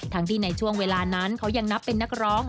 ที่ในช่วงเวลานั้นเขายังนับเป็นนักร้อง